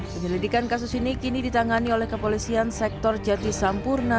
penyelidikan kasus ini kini ditangani oleh kepolisian sektor jati sampurna